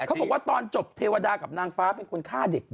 เขาบอกว่าตอนจบเทวดากับนางฟ้าเป็นคนฆ่าเด็ก